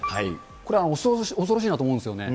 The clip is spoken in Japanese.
これ恐ろしいなと思うんですよね。